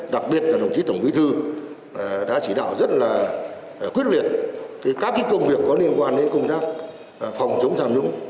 đặc biệt là đồng chí tổng bí thư đã chỉ đạo rất là quyết liệt các công việc có liên quan đến công tác phòng chống tham nhũng